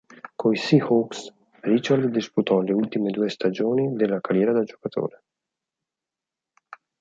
Coi Seahawks, Richard disputò le ultime due stagioni della carriera da giocatore.